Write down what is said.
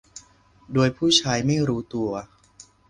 โดยผู้ใช้ไม่รู้ตัว